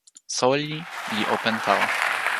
soweli li open tawa.